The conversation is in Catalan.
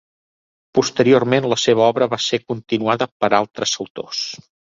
Posteriorment la seva obra va ser continuada per altres autors.